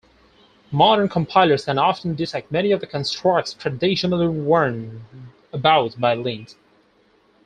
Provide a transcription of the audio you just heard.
Modern compilers can often detect many of the constructs traditionally warned about by lint.